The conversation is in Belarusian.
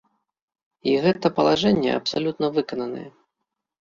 І гэта палажэнне абсалютна выкананае.